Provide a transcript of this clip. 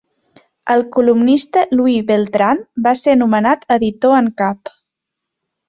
El columnista Louie Beltran va ser nomenat editor en cap.